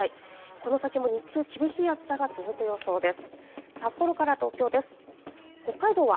この先も日中厳しい暑さが続く予想です。